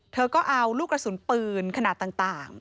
เธอก็เอาลูกกระสุนปืนขนาดต่าง